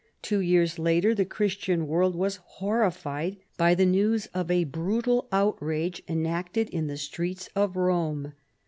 Two years later the Christian world was horrified by the news of a brutal outrage enacted in the streets of Home.